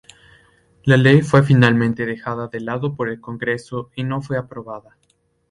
La ley fue finalmente dejada de lado por el Congreso y no fue aprobada.